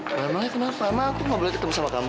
mama kenapa mama aku nggak boleh ketemu sama kamu